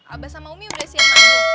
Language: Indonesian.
aba sama umi udah siap mandu